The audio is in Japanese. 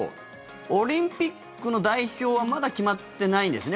オリンピックの代表はまだ決まってないですね。